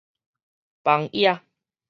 枋野